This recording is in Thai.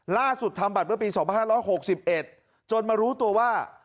ล่าสุดทำบัตรเมื่อปี๒๕๖๑จนมารู้ตัวว่า